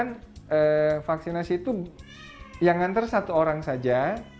pengantar bayi di rumah vaksinasi itu yang mengantar satu orang saja